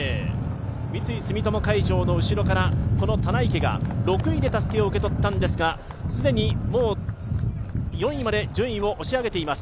三井住友海上の後ろから棚池が６位でたすきを受け取ったのですが、既に４位まで順位を押し上げています。